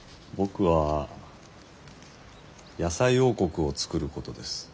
僕は野菜王国を作ることです。